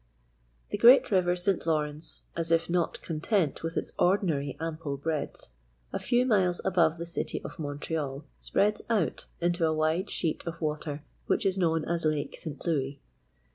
* The great river St. Lawrence, as if not content with its ordinary ample breadth, a few miles above the city of Montreal spreads out into a wide sheet of water which is known as Lake St. Louis.